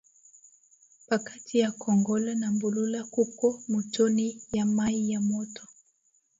Pakati ya kongolo na mbulula kuko mutoni ya mayi ya moto